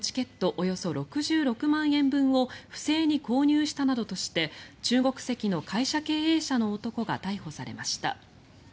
およそ６６万円分を不正に購入したなどとして中国籍の会社経営者の男が逮捕されました。